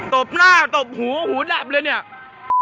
ตบหน้าตบหูหูดับเลยเนี่ย